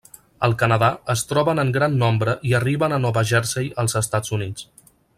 Al Canadà es troben en gran nombre i arriben a Nova Jersey als Estats Units.